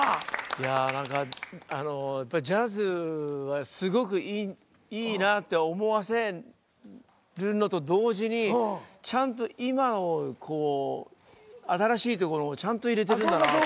いや何かやっぱりジャズはすごくいいなって思わせるのと同時にちゃんと今を新しいところをちゃんと入れてるんだなって。